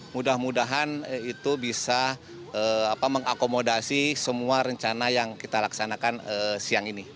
mudah mudahan itu bisa mengakomodasi semua rencana yang kita laksanakan siang ini